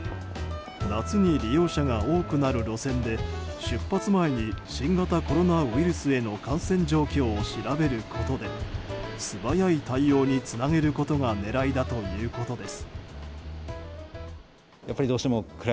夏に利用者が多くなる路線で出発前に新型コロナウイルスへの感染状況を調べることで素早い対応につなげることが狙いだということです。